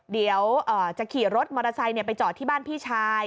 เดี๋ยวจะขี่รถมอเตอร์ไซค์ไปจอดที่บ้านพี่ชาย